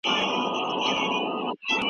د سترګو عینکې په عملیات کي ولي مهمي دي؟